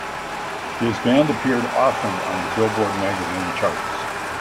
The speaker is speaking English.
His band appeared often on the "Billboard" magazine charts.